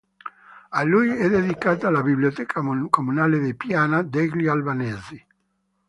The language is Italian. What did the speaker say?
A lui è dedicata la "Biblioteca comunale di Piana degli Albanesi".